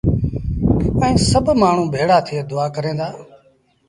ائيٚݩ سڀ مآڻهوٚٚݩ ڀيڙآ ٿئي دُئآ ڪريݩ دآ